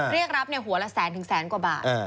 เรียกรับหัวละแสนถึงแสนกว่าบาท